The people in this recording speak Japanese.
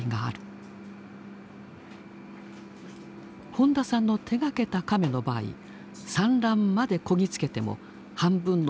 本田さんの手がけたカメの場合産卵までこぎ着けても半分の卵がかえらない。